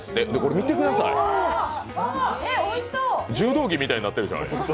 見てください、柔道着みたいになってるじゃない。